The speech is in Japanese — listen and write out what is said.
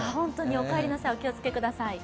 お帰りの際、お気を付けください